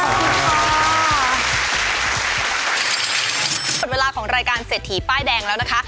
หมดเวลาของรายการเศรษฐีป้ายแดงแล้วนะคะ